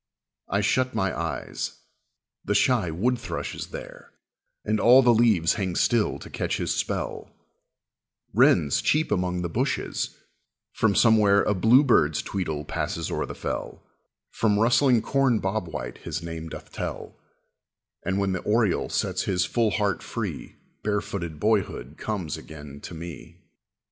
I shut my eyes: the shy wood thrush is there, And all the leaves hang still to catch his spell; Wrens cheep among the bushes; from somewhere A bluebird's tweedle passes o'er the fell; From rustling corn bob white his name doth tell; And when the oriole sets his full heart free Barefooted boyhood comes again to me.